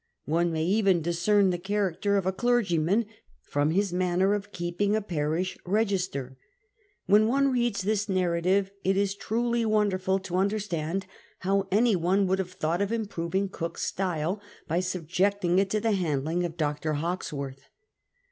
One may even discern the character of a clergyman from his manner of keeping a parish register. When one reads this narrative, it is truly wonderful to understand how any one would have thought of im proving Cook's style by subjecting it to the handling of Dr. Hawkesworth.